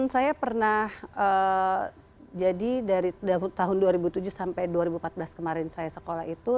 saya pernah jadi dari tahun dua ribu tujuh sampai dua ribu empat belas kemarin saya sekolah itu